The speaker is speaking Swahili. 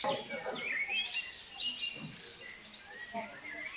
chao wenyewe au cha mtu wao wa karibu